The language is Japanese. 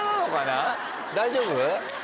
大丈夫？